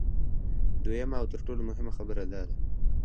دویمه او تر ټولو مهمه خبره دا ده